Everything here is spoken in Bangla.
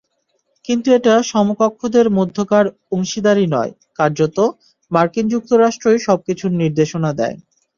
কিন্তু এটা সমকক্ষদের মধ্যকার অংশীদারি নয়, কার্যত মার্কিন যুক্তরাষ্ট্রই সবকিছুর নির্দেশনা দেয়।